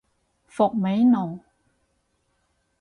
伏味濃